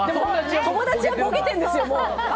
友達がぼけてるんですよ。